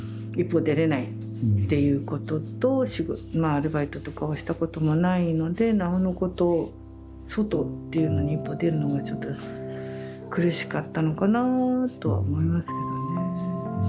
アルバイトとかをしたことがないのでなおのこと外っていうのに一歩出るのがちょっと苦しかったのかなぁとは思いますけどね。